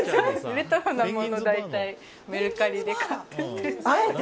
レトロなものは大体メルカリで買ってて。